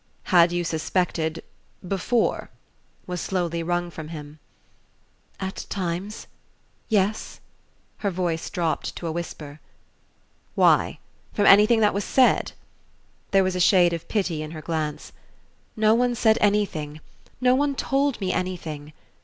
"Had you suspected before?" was slowly wrung from him. "At times yes " Her voice dropped to a whisper. "Why? From anything that was said ?" There was a shade of pity in her glance. "No one said anything no one told me anything."